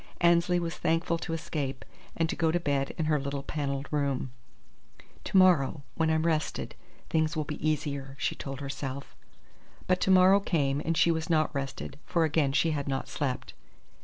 Annesley was thankful to escape, and to go to bed in her little panelled room. "To morrow, when I'm rested, things will be easier," she told herself. But to morrow came and she was not rested; for again she had not slept.